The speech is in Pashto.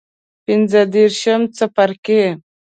پنځه دیرشم څپرکی